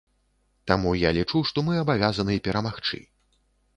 Таму я лічу, што мы абавязаны перамагчы.